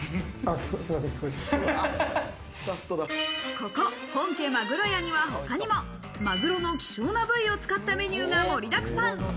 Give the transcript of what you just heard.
ここ、本家鮪屋には、他にもマグロの希少な部位を使ったメニューが盛りだくさん。